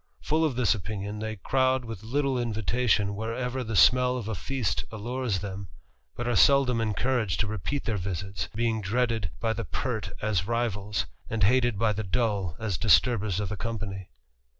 Full of this opinion, they crowd with tie invitation wherever the smell of a feast allures them, It are seldom encouraged to repeat their visits, being eaded by the pert as rivals, and hated by the dull as sturbers of the company.